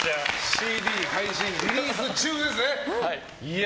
ＣＤ、配信リリース中ですね。